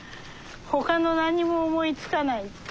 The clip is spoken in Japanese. ほかの何にも思いつかない。